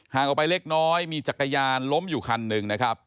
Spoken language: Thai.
ออกไปเล็กน้อยมีจักรยานล้มอยู่คันหนึ่งนะครับ